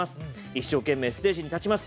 一生懸命ステージに立ちます！